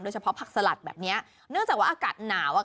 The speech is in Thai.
เฉพาะผักสลัดแบบเนี้ยเนื่องจากว่าอากาศหนาวอ่ะ